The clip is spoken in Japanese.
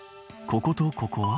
こことここは。